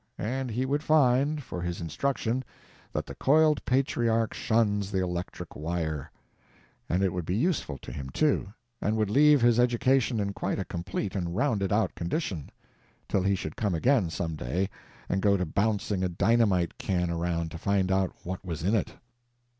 And he would find, for his instruction, that the coiled patriarch shuns the electric wire; and it would be useful to him, too, and would leave his education in quite a complete and rounded out condition, till he should come again, some day, and go to bouncing a dynamite can around to find out what was in it.